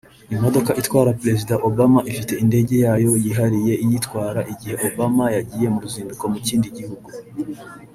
Imodoka itwara Perezida Obama ifite indege yayo yihariye iyitwara igihe Obama yagiye mu ruzinduko mu kindi gihugu